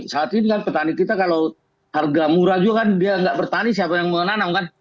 saat ini kan petani kita kalau harga murah juga kan dia nggak bertani siapa yang menanam kan